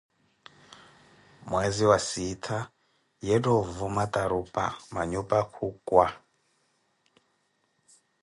Mwezi wa siittaa, yeetha ovuma tarupha, manhupa khukwa